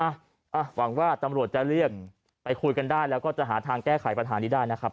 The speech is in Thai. อ่ะหวังว่าตำรวจจะเรียกไปคุยกันได้แล้วก็จะหาทางแก้ไขปัญหานี้ได้นะครับ